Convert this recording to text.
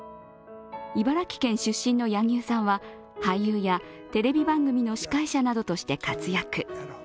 茨城県出身の柳生さんは俳優やテレビ番組の司会者などとして活躍。